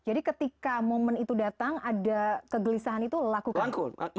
jadi ketika momen itu datang ada kegelisahan itu lakukan